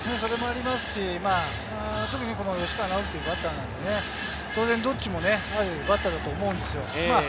それもありますし、特に吉川尚輝というバッターは当然どっちもバッターだと思うんですよ。